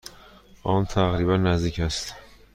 آن تقریبا نزدیک است.